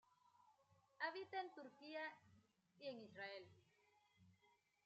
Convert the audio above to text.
Habita en Turquía y en Israel.